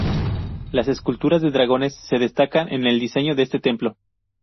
Las esculturas de dragones se destacan en el diseño de este templo.